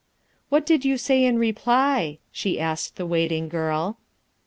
"What did you say m reply? „^ agked waiting girl.